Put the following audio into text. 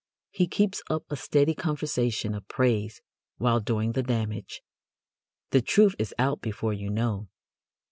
He keeps up a steady conversation of praise while doing the damage. The truth is out before you know.